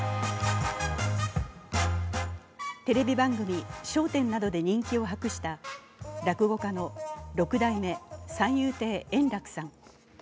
テレビ番組「笑点」などで人気を博した落語家の六代目三遊亭円楽さん。